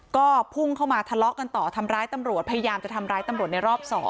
ก็พุ่งเข้ามาทะเลาะกันต่อทำร้ายตำรวจพยายามจะทำร้ายตำรวจในรอบ๒